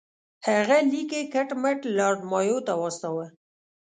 هغه لیک یې کټ مټ لارډ مایو ته واستاوه.